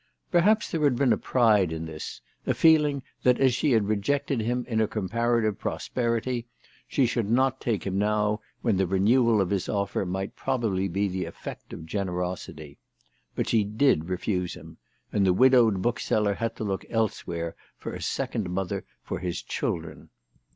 Perhaps there had been a pride in this, a feeling that as she had rejected him in her comparative prosperity, she should not take him now when the renewal of his offer might probably be the effect of generosity. But she did refuse him ; and the widowed bookseller had to look elsewhere for a second mother for his children.